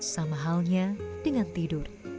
sama halnya dengan tidur